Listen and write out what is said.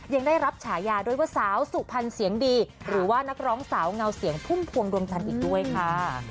ยังได้รับฉายาด้วยว่าสาวสุพรรณเสียงดีหรือว่านักร้องสาวเงาเสียงพุ่มพวงดวงจันทร์อีกด้วยค่ะ